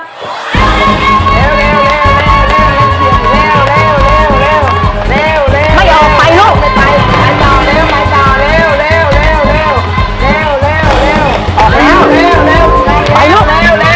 เร็วเร็วไม่ออกไปลูก